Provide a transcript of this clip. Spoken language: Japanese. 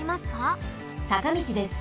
さかみちです。